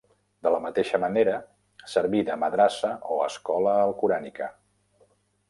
De la mateixa manera serví de madrassa o escola alcorànica.